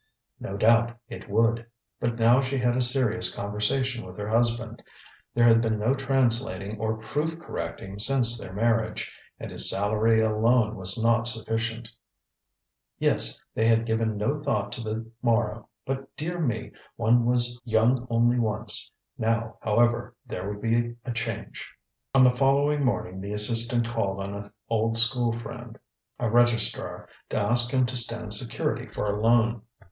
No doubt, it would. But now she had a serious conversation with her husband! There had been no translating or proof correcting since their marriage. And his salary alone was not sufficient. ŌĆ£Yes, they had given no thought to the morrow. But, dear me, one was young only once! Now, however, there would be a change. ŌĆØ On the following morning the assistant called on an old schoolfriend, a registrar, to ask him to stand security for a loan.